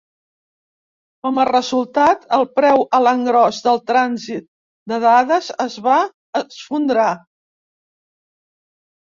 Com a resultat, el preu a l'engròs del trànsit de dades es va esfondrar.